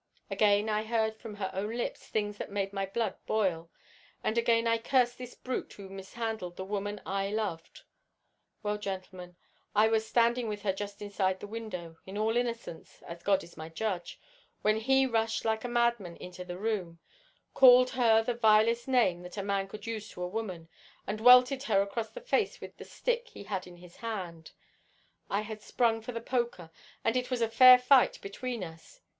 Again I heard from her own lips things that made my blood boil, and again I cursed this brute who mishandled the woman that I loved. Well, gentlemen, I was standing with her just inside the window, in all innocence, as Heaven is my judge, when he rushed like a madman into the room, called her the vilest name that a man could use to a woman, and welted her across the face with the stick he had in his hand. I had sprung for the poker, and it was a fair fight between us.